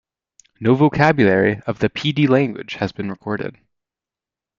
No vocabulary of the Pedee language has been recorded.